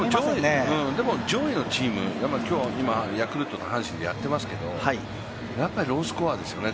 でも上位のチーム、ヤクルトと阪神でやってますけどやっぱりロースコアですよね。